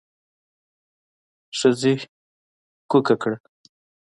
ښځې کوکه کړه.